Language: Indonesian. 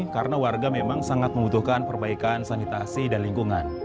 karena warga memang sangat membutuhkan perbaikan sanitasi dan lingkungan